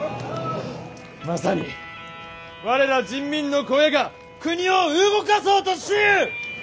まさに我ら人民の声が国を動かそうとしゆう！